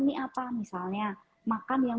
ini apa misalnya makan yang